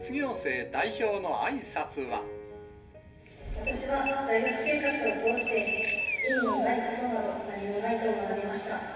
私は大学生活を通して、意味のないことなど何もないと学びました。